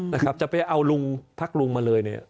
นะครับจะไปเอาลุงพักลุงมาเลยเนี่ย